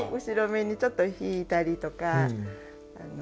後ろめにちょっと引いたりとか。